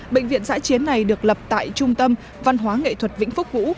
bệnh viện giã chiến này được lập tại trung tâm văn hóa nghệ thuật vĩnh phúc vũ